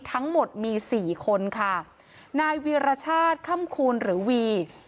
ทั้งหมดมีสี่คนค่ะนายวีรชาติค่ำคูณหรือวี